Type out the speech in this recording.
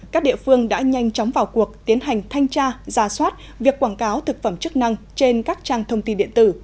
các địa phương đã nhanh chóng vào cuộc tiến hành thanh tra ra soát việc quảng cáo thực phẩm chức năng trên các trang thông tin điện tử